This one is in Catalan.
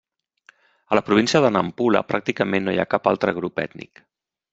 A la província de Nampula pràcticament ni hi ha cap altre grup ètnic.